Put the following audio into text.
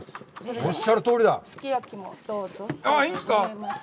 おっしゃるとおりだ。